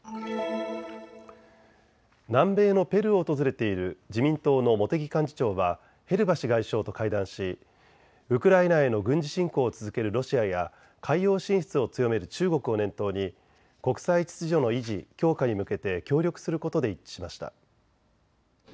南米のペルーを訪れている自民党の茂木幹事長はヘルバシ外相と会談しウクライナへの軍事侵攻を続けるロシアや海洋進出を強める中国を念頭に国際秩序の維持、強化に向けて協力することで一致しました。